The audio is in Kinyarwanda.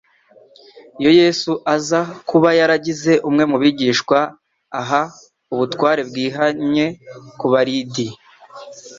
Iyo Yesu aza ' kuba yaragize umwe mu bigishwa aha ubutware bwihanye ku baridi,